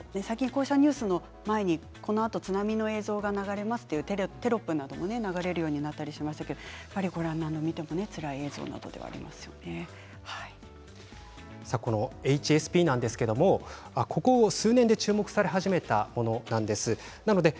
最近こうしたニュースの前にこのあと津波の映像が流れますというテロップなども流れるようになりましたが何度見てもつらい映像ではＨＳＰなんですけれどここ数年で注目され始めたものなんです。